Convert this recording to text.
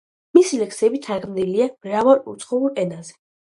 მისი ლექსები თარგმნილია მრავალ უცხოურ ენაზე.